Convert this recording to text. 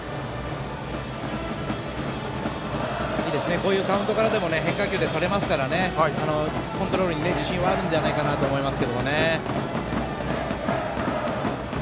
こういうカウントからでも変化球でとれますからコントロールに自信はあるんじゃないかと思います。